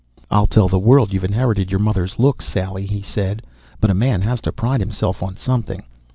"I'll tell the world you've inherited your mother's looks, Sally," he said. "But a man has to pride himself on something.